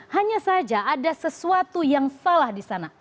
hanya saja ada sesuatu yang salah di sana